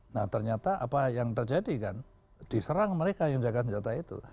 nah ternyata apa yang terjadi kan diserang mereka yang jaga senjata itu